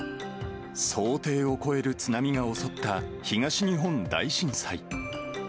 想定を超える津波が襲った、東日本大震災。